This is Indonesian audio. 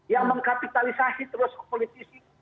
yang mengkapitalisasi terus politisi